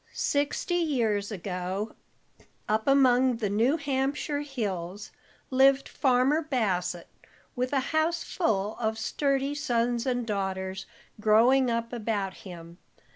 Sixty years ago, up among the New Hampshire hills, lived Farmer Bassett, with a house full of sturdy sons and daughters growing up about him.